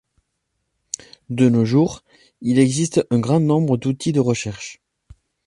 De nos jours, il existe un grand nombre d'outils de recherche.